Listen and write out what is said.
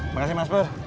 makasih mas bur